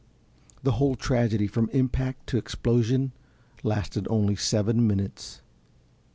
The whole tragedy from impact to explosion lasted only seven minutes.